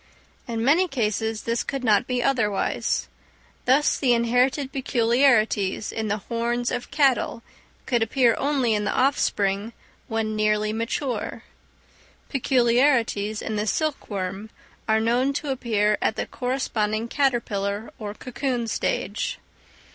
In many cases this could not be otherwise; thus the inherited peculiarities in the horns of cattle could appear only in the offspring when nearly mature; peculiarities in the silk worm are known to appear at the corresponding caterpillar or cocoon stage.